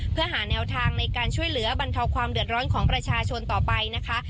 เพื่อหาแนวทางในการช่วยเหลือบรรเทาความเดือดร้อนของประชาชนต่อไปนะคะ